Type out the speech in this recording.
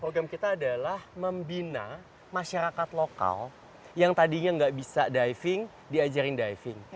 program kita adalah membina masyarakat lokal yang tadinya nggak bisa diving diajarin diving